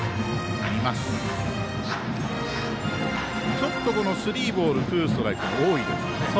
ちょっとスリーボールツーストライクが多いですね。